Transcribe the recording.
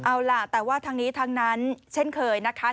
เอาล่ะแต่ว่าทั้งนี้ทั้งนั้นเช่นเคยนะคะ